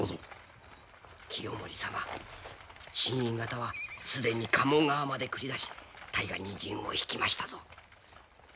清盛様新院方は既に加茂川まで繰り出し対岸に陣をひきましたぞ。